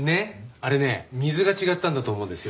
あれね水が違ったんだと思うんですよ。